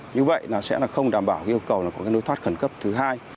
như vậy sẽ không đảm bảo yêu cầu có nối thoát khẩn cấp thứ hai